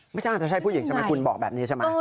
ไม่ใช่อาจจะใช่ผู้หญิงใช่ไหมคุณบอกแบบนี้ใช่ไหม